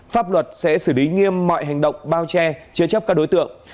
pháp luật sẽ xử lý nghiêm mọi hành động bao che chế chấp các đối tượng